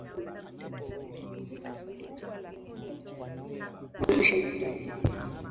Hakuna ushahidi kwamba makundi ya sasa yana nguvu au ushawishi mkubwa.